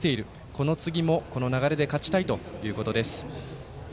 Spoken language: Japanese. この次もこの流れで勝ちたいということです。